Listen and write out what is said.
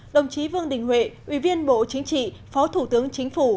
đồng chí vương đình huệ ủy viên bộ chính trị phó thủ tướng chính phủ